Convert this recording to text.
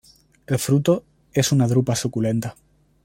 El fruto es una drupa suculenta.